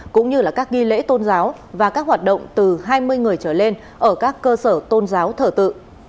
cũng như các ghi lễ tôn giáo và các hoạt động từ hai mươi người trở lên ở các cơ sở tôn giáo thờ tự